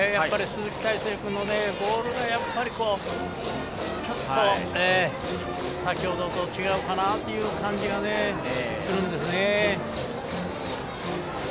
鈴木泰成君のボールがちょっと先ほどと違うかなという感じがするんですね。